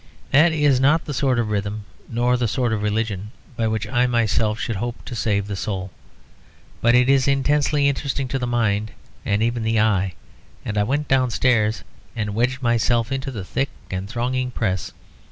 That is not the sort of rhythm nor the sort of religion by which I myself should hope to save the soul; but it is intensely interesting to the mind and even the eye, and I went downstairs and wedged myself into the thick and thronging press.